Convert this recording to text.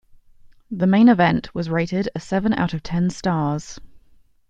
The main event was rated a seven out of ten stars.